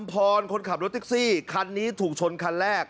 พรคนขับรถแท็กซี่คันนี้ถูกชนคันแรก